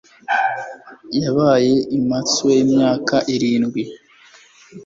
Yabaye i Matsue imyaka irindwi.